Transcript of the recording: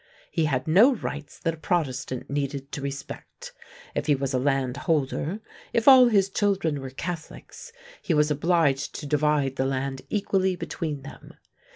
He had no rights that a Protestant needed to respect. If he was a land holder, if all his children were Catholics, he was obliged to divide the land equally between them.